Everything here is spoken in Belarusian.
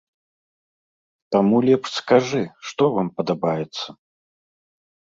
Таму лепш скажы, што вам падабаецца?